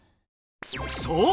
そう！